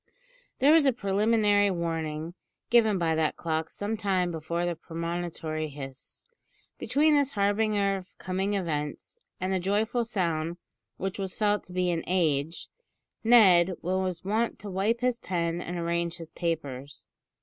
There was a preliminary warning given by that clock some time before the premonitory hiss. Between this harbinger of coming events, and the joyful sound which was felt to be "an age," Ned was wont to wipe his pen and arrange his papers.